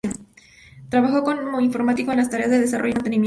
Trabajó como Informático en tareas de desarrollo y mantenimiento.